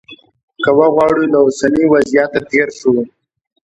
که وغواړو له اوسني وضعیته تېر شو.